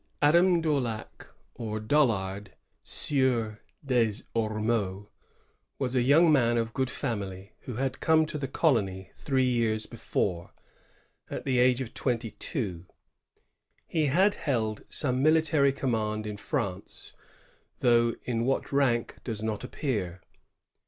Adam Daulac, or DoUard, Sieur des Ormeaux, was a young man of good family, who had come to the col ony three years before, at the age of twenty two. He had held some military command in France, though in .what rank does not appear.